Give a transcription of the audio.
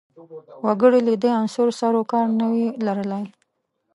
وګړي له دې عنصر سر و کار نه وي لرلای